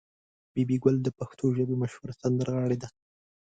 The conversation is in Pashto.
بي بي ګل د پښتو ژبې مشهوره سندرغاړې ده.